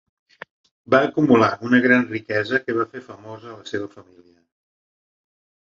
Va acumular una gran riquesa que va fer famosa la seva família.